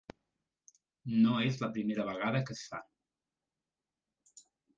No és la primera vegada que es fa.